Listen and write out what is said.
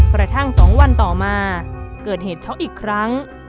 กระทั่ง๒วันต่อมาเกิดเหตุช็อกอีกครั้ง